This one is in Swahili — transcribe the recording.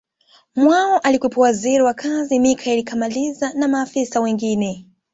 mwao alikuwepo Waziri wa kazi Michael kamaliza na maafisa wengine